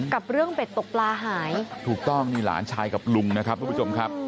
กับเรื่องเบ็ดตกปลาหายถูกต้องมีหลานชายกับลุงนะครับทุกผู้ชมครับ